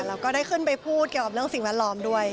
แล้วก็ได้ขึ้นไปพูดเกี่ยวกับเรื่องสิ่งแวดล้อมด้วย